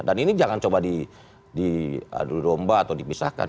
dan ini jangan coba diadu romba atau dipisahkan